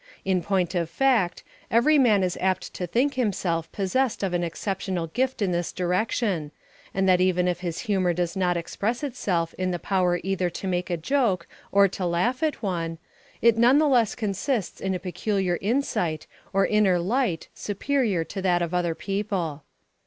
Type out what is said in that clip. In point of fact, every man is apt to think himself possessed of an exceptional gift in this direction, and that even if his humour does not express itself in the power either to make a joke or to laugh at one, it none the less consists in a peculiar insight or inner light superior to that of other people.